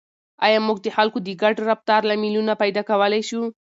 آیا موږ د خلکو د ګډ رفتار لاملونه پیدا کولای شو؟